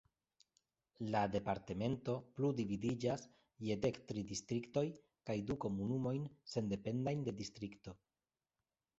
La departemento plu dividiĝas je dek tri distriktoj kaj du komunumojn sendependajn de distrikto.